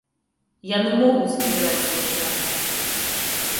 Яны могуць выбіраць свой шлях.